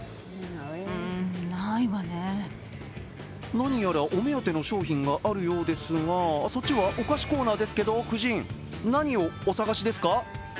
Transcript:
何やらお目当ての商品があるようですが、そっちはお菓子コーナーですけど、夫人、何をお探しですか？